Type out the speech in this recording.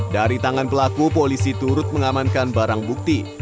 dari tangan pelaku polisi turut mengamankan barang bukti